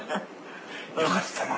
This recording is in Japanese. よかったな。